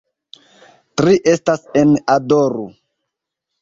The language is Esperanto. Tri estas en "Adoru".